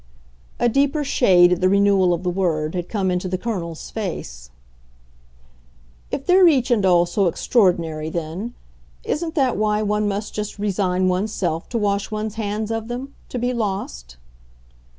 A deeper shade, at the renewal of the word, had come into the Colonel's face. "If they're each and all so extraordinary then, isn't that why one must just resign one's self to wash one's hands of them to be lost?"